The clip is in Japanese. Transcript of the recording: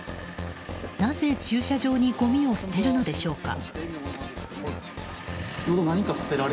なぜ駐車場にごみを捨てるのでしょうか。